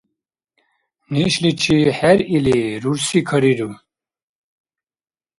Нешличи хӀеръили, рурси кариру.